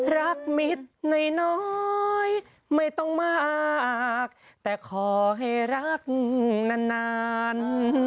รักมิ๊ดหน่อยหน่อยไม่ต้องมากแต่ขอให้รักนานนาน